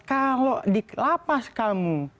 kalau di kalapas kamu